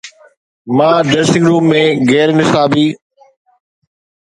مان dressing room ۾ غير نصابي